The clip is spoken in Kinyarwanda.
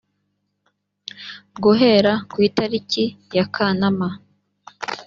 guhera ku itariki ya kanama